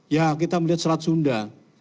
ya kita melihat selat sunda